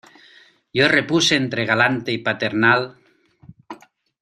yo repuse entre galante y paternal: